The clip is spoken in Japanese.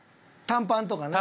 短パンとかな。